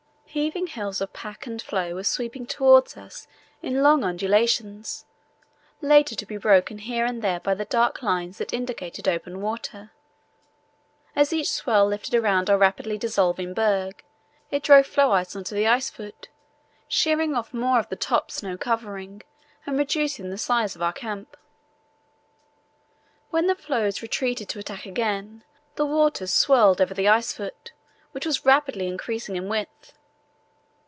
Heaving hills of pack and floe were sweeping towards us in long undulations, later to be broken here and there by the dark lines that indicated open water. As each swell lifted around our rapidly dissolving berg it drove floe ice on to the ice foot, shearing off more of the top snow covering and reducing the size of our camp. When the floes retreated to attack again the water swirled over the ice foot, which was rapidly increasing in width.